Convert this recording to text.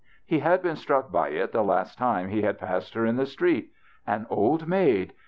He had been struck by it the last time he had passed her in the street. An old maid !